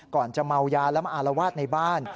ก่อนจะเมายาและมาอารวาสในบ้าน